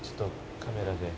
カメラで。